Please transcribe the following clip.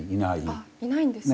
あっいないんですね。